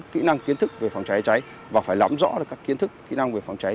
kỹ năng kiến thức về phòng cháy cháy và phải lắm rõ được các kiến thức kỹ năng về phòng cháy